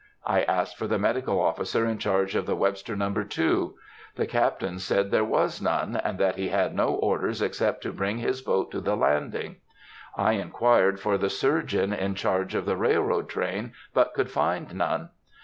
I asked for the medical officer in charge of the Webster No. 2. The Captain said there was none, and that he had no orders except to bring his boat to the landing. I inquired for the surgeon in charge of the railroad train, but could find none.